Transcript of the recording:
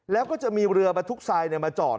แล้วก็จะมีเรือมาทุกทรายประจอด